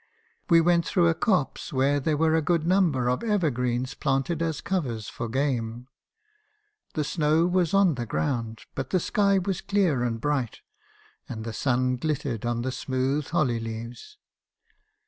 We went through a copse where there were a good number of ever greens planted as covers for game. The snow was on the ground; but the sky was clear and bright, and the sun glittered on the smooth holly leaves.